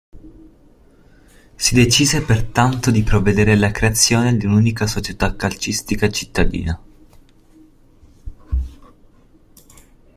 Si decise pertanto di provvedere alla creazione di un'unica società calcistica cittadina.